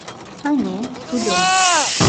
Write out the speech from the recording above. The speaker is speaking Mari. — Ане, тудо...